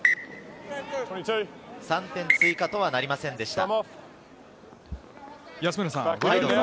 ３点追加とはなりませんでした。